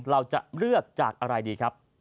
เราจะเลือกจากอะไรดีครับ